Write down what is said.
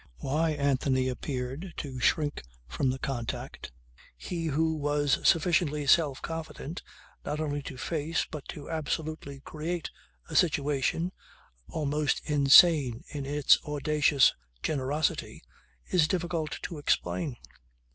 Why Anthony appeared to shrink from the contact, he who was sufficiently self confident not only to face but to absolutely create a situation almost insane in its audacious generosity, is difficult to explain.